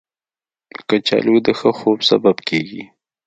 کچالو د ښه خوب سبب کېږي